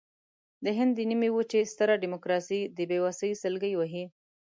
د هند د نیمې وچې ستره ډیموکراسي د بېوسۍ سلګۍ وهي.